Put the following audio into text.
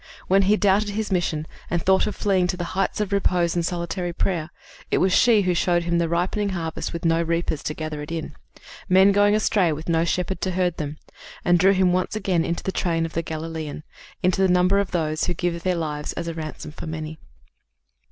When he doubted his mission and thought of fleeing to the heights of repose and solitary prayer, it was she who showed him the ripening harvest with no reapers to gather it in, men going astray with no shepherd to herd them, and drew him once again into the train of the Galilean, into the number of those who give their lives as a ransom for many."